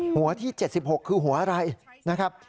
หัวที่๗๖คือหัวอะไรนะครับ